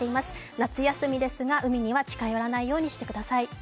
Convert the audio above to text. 夏休みですが海には近寄らないようにしてください。